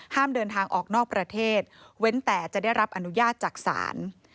เดินทางออกนอกประเทศเว้นแต่จะได้รับอนุญาตจากศาล